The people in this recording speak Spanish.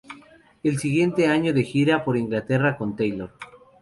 El siguiente año estuvo de gira por Inglaterra con Taylor.